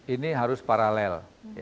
ini harus paralel